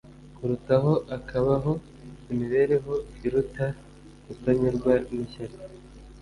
kurutaho akabaho imibereho iruta kutanyurwa n’ishyari